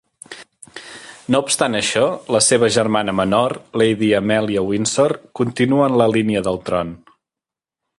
No obstant això, la seva germana menor, Lady Amelia Windsor, continua en la línia del tron.